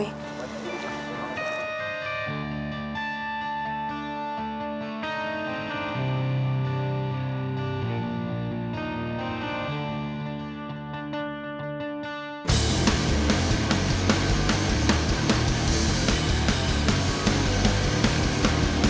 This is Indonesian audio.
sehat sudah bangladesh